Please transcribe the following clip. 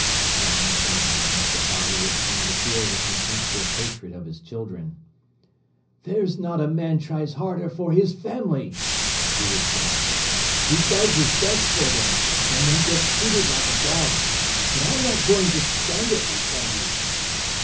Then, sometimes, the father would seem to feel the contemptuous hatred of his children. "There's not a man tries harder for his family!" he would shout. "He does his best for them, and then gets treated like a dog. But I'm not going to stand it, I tell you!"